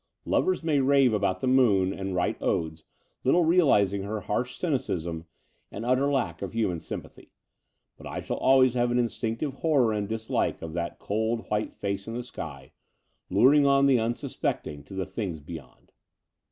Lovers may rave about the moon and write odes, little realizing her harsh cynicism and utter lack of human sympathy : but I shall always have an instinctive horror and dislike of that cold white face in the sky, luring on the unsuspecting to the things beyond.